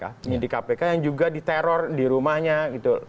penyidik kpk yang juga diteror di rumahnya gitu